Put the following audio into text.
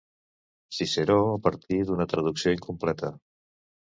Ciceró, a partir d'una traducció incompleta.